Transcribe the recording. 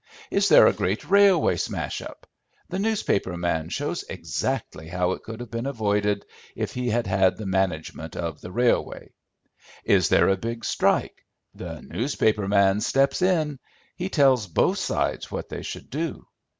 Is there a great railway smash up, the newspaper man shows exactly how it could have been avoided if he had had the management of the railway. Is there a big strike, the newspaper man steps in. He tells both sides what they should do.